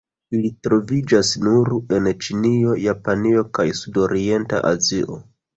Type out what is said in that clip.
Ili troviĝas nur en Ĉinio, Japanio, kaj Sudorienta Azio.